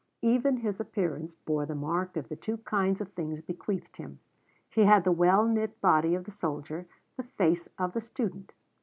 Even his appearance bore the mark of the two kinds of things bequeathed him. He had the well knit body of the soldier, the face of the student.